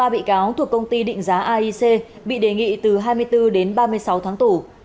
ba bị cáo thuộc công ty định giá aic bị đề nghị từ hai mươi bốn đến ba mươi sáu tháng tù